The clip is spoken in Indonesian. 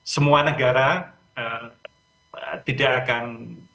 semua negara tidak akan